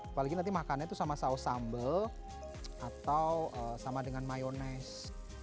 apalagi nanti makannya itu sama saus sambal atau sama dengan mayonese